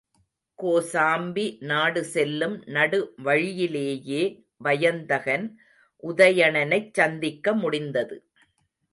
கோசாம்பி நாடு செல்லும் நடு வழியிலேயே வயந்தகன், உதயணனைச் சந்திக்க முடிந்தது.